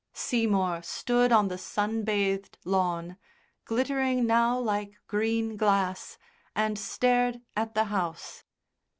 Seymour stood on the sun bathed lawn, glittering now like green glass, and stared at the house.